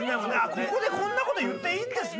ここでこんな事言っていいんですね！